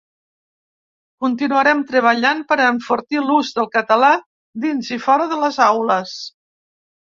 Continuarem treballant per enfortir l'ús del català dins i fora de les aules.